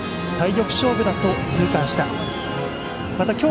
体力勝負だと痛感した。